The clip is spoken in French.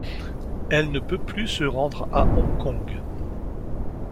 Elle ne peut plus se rendre à Hong Kong.